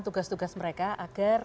tugas tugas mereka agar